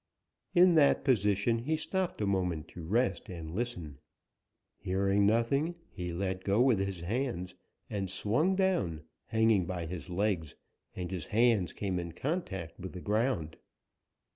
In that position he stopped a moment to rest and listen. Hearing nothing, he let go with his hands and swung down, hanging by his legs, and his hands came in contact with the ground.